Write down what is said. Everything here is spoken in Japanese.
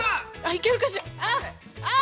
◆行けるかしら。